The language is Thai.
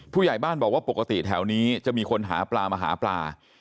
ผู้ใหญ่บ้านบอกว่าปกติแถวนี้จะมีคนหาปลามาหาปลา